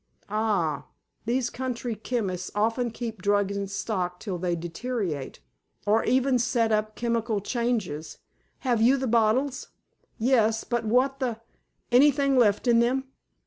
"Ah. These country chemists often keep drugs in stock till they deteriorate, or even set up chemical changes. Have you the bottles?" "Yes. But what the—" "Anything left in them?"